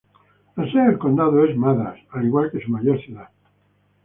La sede del condado es Madras, al igual que su mayor ciudad.